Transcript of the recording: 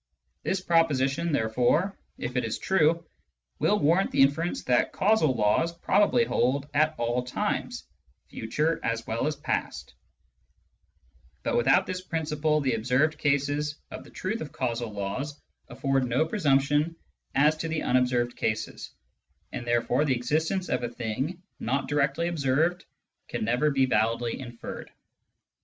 This proposition, therefore, if it is true, will warrant the inference that causal laws probably hold at all times, future as well as past ; but without this principle, the observed cases of the truth of causal laws afford no presumption as to the unobserved cases, and therefore the existence of a thing not directly observed can never be validly inferred.